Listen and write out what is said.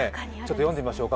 読んでみましょうか。